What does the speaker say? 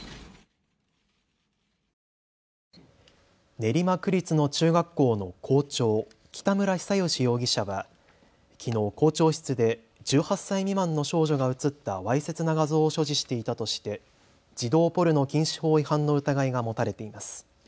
練馬区立の中学校の校長、北村比左嘉容疑者はきのう校長室で１８歳未満の少女が写ったわいせつな画像を所持していたとして児童ポルノ禁止法違反の疑いが持たれています。